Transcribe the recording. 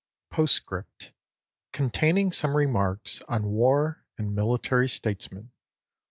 POSTSCRIPT; CONTAINING SOME REMARKS ON WAR AND MILITARY STATESMEN.